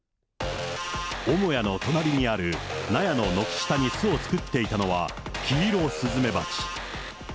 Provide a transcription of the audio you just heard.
母屋の隣にある納屋の軒下に巣を作っていたのは、キイロスズメバチ。